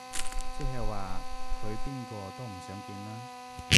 即係話佢邊個都唔想見啦